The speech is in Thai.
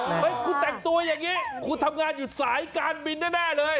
เฮ้ยคุณแต่งตัวอย่างนี้คุณทำงานอยู่สายการบินแน่เลย